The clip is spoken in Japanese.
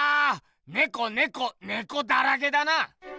ネコネコネコだらけだな！